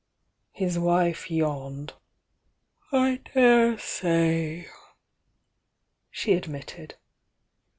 His wife yawned. "I dare say!" she admitted.